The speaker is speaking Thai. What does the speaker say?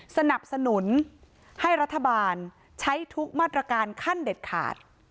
สนับสนุนให้รัฐบาลใช้ทุกมาตรการขั้นเด็ดขาด